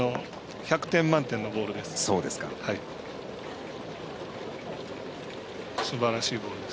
１００点満点のボールです。